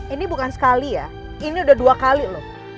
ini bukan sekali ya ini udah dua kali loh